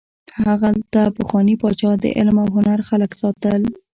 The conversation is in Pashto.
هلته پخواني پاچا د علم او هنر خلک ساتل.